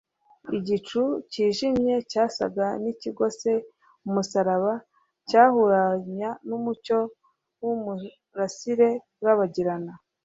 Igicu cyijimye cyasaga n'ikigose umusaraba cyahuranyva n'umucyo w'umurasire urabagirana